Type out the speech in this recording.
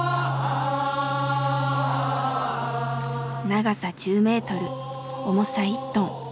長さ１０メートル重さ１トン。